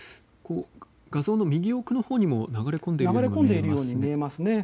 画像の右奥のほうにも流れ込んでいるように見えますね。